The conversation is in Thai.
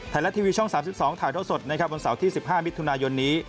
ไทยและทีวีช่อง๓๒ถ่ายทั่วสดนะครับบนเสาที่๑๕มิตรทุนายนนี้